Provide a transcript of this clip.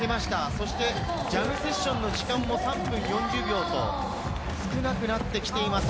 そしてジャムセッションの時間も３分４０秒と少なくなってきています。